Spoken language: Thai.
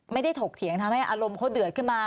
ถกเถียงทำให้อารมณ์เขาเดือดขึ้นมา